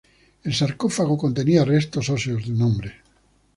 El sarcófago contenía restos óseos de un hombre.